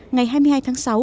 ngày hai mươi hai tháng sáu